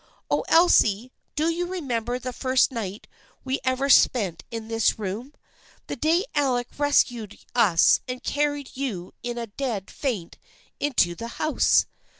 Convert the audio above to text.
Oh, Elsie, do you remember the first night we ever spent in this room ? The day Alec rescued us and carried you in a dead faint into the house